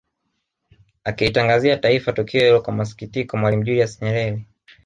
Akilitangazia Taifa tukio hilo kwa masikitiko Mwalimu Julius Nyerere